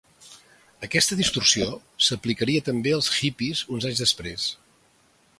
Aquesta distorsió s'aplicaria també als hippies uns anys després.